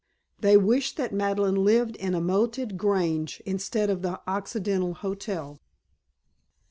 They wished that Madeleine lived in a moated grange instead of the Occidental Hotel.